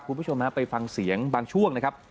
คุณผู้ชมฮะไปฟังเสียงบางช่วงนะครับ